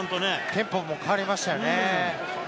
テンポも変わりましたよね。